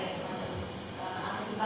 itu terlihat kan